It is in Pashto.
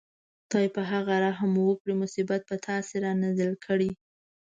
خدای په هغه رحم وکړي مصیبت په تاسې رانازل کړي.